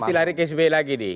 pasti lari ksb lagi nih